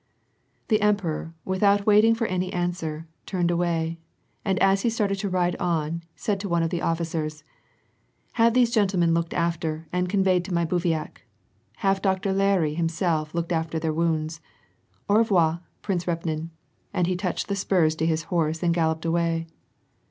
The emperor, without waiting for any answer, turned away, and as he started to ride on, said to one of the officers, —" Have these gentlemen looked after and conveyed to my bivouac ; have Doctor Larrey himself look after their woundi Au revoir, Prince Repnin," and he touched the spurs to his horse and galloped away.